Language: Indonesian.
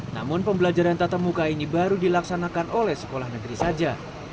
namun pembelajaran tatap muka ini baru dilaksanakan oleh sekolah negeri saja